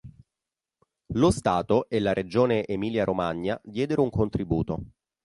Lo Stato e la Regione Emilia-Romagna diedero un contributo.